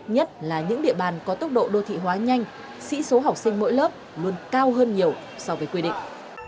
nhất là những địa bàn có tốc độ đô thị hóa nhanh sĩ số học sinh mỗi lớp luôn cao hơn nhiều so với quy định